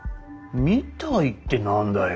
みたいって何だよ。